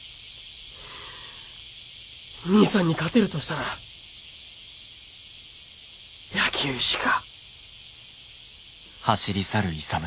兄さんに勝てるとしたら野球しか。